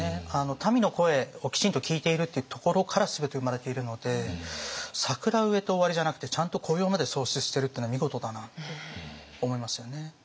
民の声をきちんと聞いているっていうところから全て生まれているので桜植えて終わりじゃなくてちゃんと雇用まで創出してるっていうのは見事だなって思いますよね。